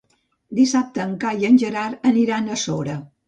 Dissabte en Cai i en Gerard aniran a Sora.